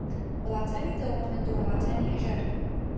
وڵاتانی دەوڵەمەند و وڵاتانی ھەژار